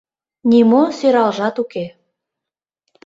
Нимо сӧралжат уке.